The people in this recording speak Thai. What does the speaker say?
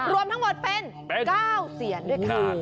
รวมทั้งหมดเป็น๙เสียนด้วยค่ะ